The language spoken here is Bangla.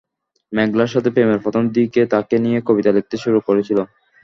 মেঘলার সাথে প্রেমের প্রথম দিকে তাকে নিয়ে কবিতা লিখতে শুরু করেছিল।